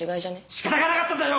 仕方がなかったんだよ！